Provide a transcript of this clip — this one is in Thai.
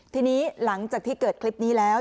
ทีนี้หลังจากที่เกิดคลิปนี้แล้ว